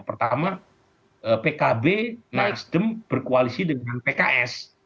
pertama pkb nasdem berkoalisi dengan pks